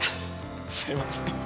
すいません。